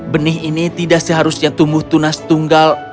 benih ini tidak seharusnya tumbuh tunas tunggal